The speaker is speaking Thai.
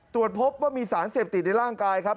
ตรวจพบว่ามีสารเสพติดในร่างกายครับ